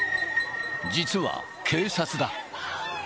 実は警察だ。